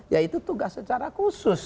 yaitu tugas secara khusus